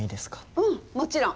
うんもちろん。